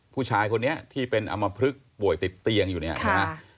ผู้ชายคนนี้ที่เป็นอำมพลึกป่วยติดเตียงอยู่เนี่ยนะฮะ